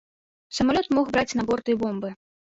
Самалёт мог браць на борт і бомбы.